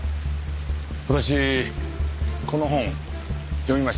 私この本読みました。